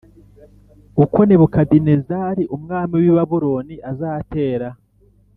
uko Nebukadinezari umwami wi Babuloni azatera